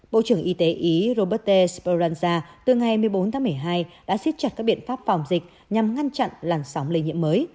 bộ trưởng y tế ý roberte sporanza từ ngày một mươi bốn tháng một mươi hai đã xiết chặt các biện pháp phòng dịch nhằm ngăn chặn làn sóng lây nhiễm mới